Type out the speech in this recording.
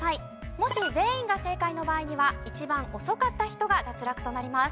もし全員が正解の場合には一番遅かった人が脱落となります。